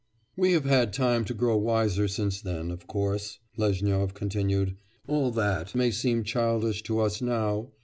'We have had time to grow wiser since then, of course,' Lezhnyov continued, 'all that may seem childish to us now....